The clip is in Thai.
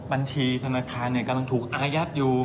บัญชีธนาคารกำลังถูกอายัดอยู่